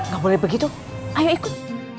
gak boleh begitu ayo ikut